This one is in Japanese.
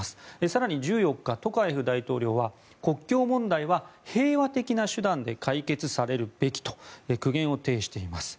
更に１４日、トカエフ大統領は国境問題は平和的な手段で解決されるべきと苦言を呈しています。